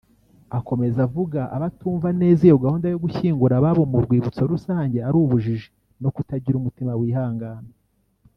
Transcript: Akomeza avuga abatumva neza iyo gahunda yo gushyingura ababo mu Rwibutso rusange ari ubujiji no kutagira umutima wihangana